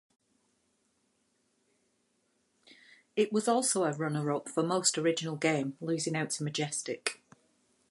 It was also runner-up for "Most Original Game", losing out to "Majestic".